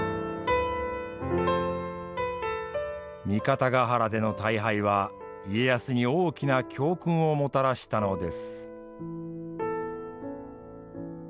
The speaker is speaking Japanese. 三方ヶ原での大敗は家康に大きな教訓をもたらしたのです。